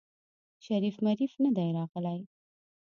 شريف مريف ندی راغلی.